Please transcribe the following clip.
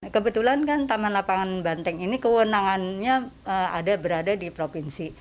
kebetulan kan taman lapangan banteng ini kewenangannya ada berada di provinsi